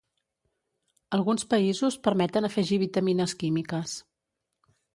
Alguns països permeten afegir vitamines químiques.